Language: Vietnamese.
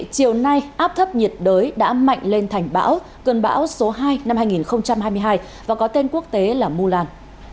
chiều nay áp thấp nhiệt đới đã mạnh lên thành bão cơn bão số hai năm hai nghìn hai mươi hai và có tên quốc tế là mu lan